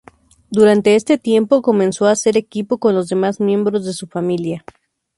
Durante este tiempo, comenzó a hacer equipo con los demás miembros de su familia.